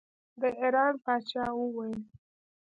د ایران پاچا وویل.